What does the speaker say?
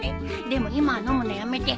でも今は飲むのやめて。